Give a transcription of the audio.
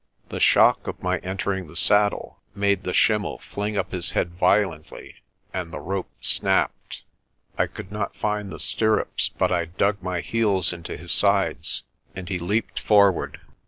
The shock of my entering the saddle made the schimmel fling up his head violently, and the rope snapped. I could not find the stirrups but I dug my heels into his sides, and he leaped forward.